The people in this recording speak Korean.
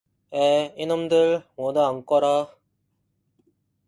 에, 이놈들, 모두 앉거라.